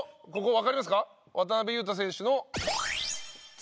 わかりますか？